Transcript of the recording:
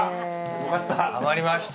よかった。